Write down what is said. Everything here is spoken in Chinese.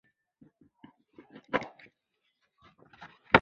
绿棱点地梅为报春花科点地梅属下的一个种。